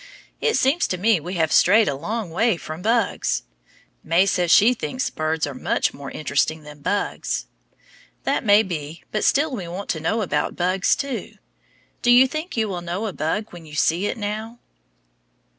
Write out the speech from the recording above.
It seems to me we have strayed a long way from bugs. May says she thinks birds are much more interesting than bugs. That may be, but still we want to know about bugs, too. Do you think you will know a bug when you see it now?